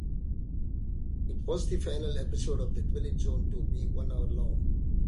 It was the final episode of "The Twilight Zone" to be one hour long.